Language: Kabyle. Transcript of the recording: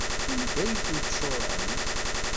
Anda ay ten-tcuṛɛemt?